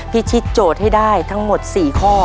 พิชิตโจทย์ให้ได้ทั้งหมด๔ข้อ